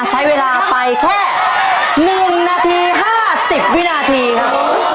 ใช้เวลาไปแค่๑นาที๕๐วินาทีครับ